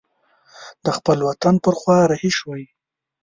د خپل وطن پر خوا رهي شوی.